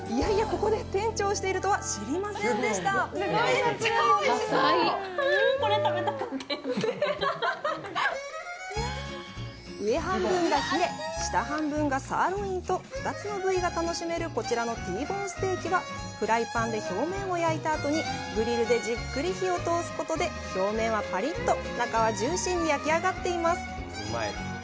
ここで店長をしているとは知りませんでした上半分がヒレ下半分がサーロインと２つの部位が楽しめるこちらのＴボーンステーキはフライパンで表面を焼いたあとにグリルでじっくり火を通すことで表面はパリッと中はジューシーに焼き上がっています